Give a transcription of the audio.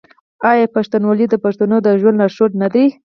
آیا پښتونولي د پښتنو د ژوند لارښود نه دی؟